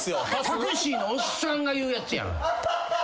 タクシーのおっさんが言うやつやん。